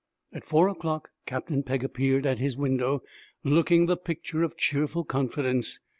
At four o'clock Captain Pegg appeared at his window, looking the picture of cheerful confidence.